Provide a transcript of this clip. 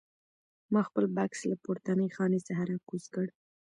ما خپل بکس له پورتنۍ خانې څخه راکوز کړ.